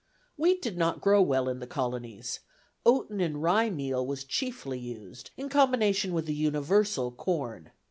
Wheat did not grow well in the Colonies; oaten and rye meal was chiefly used in combination with the universal corn.